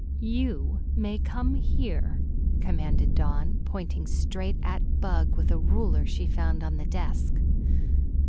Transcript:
"You may come here," commanded Dawn, pointing straight at Bug with a ruler she found on the desk.